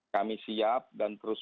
kami siap dan terus